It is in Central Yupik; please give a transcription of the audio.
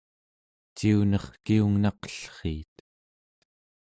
ciunerkiungnaqellriit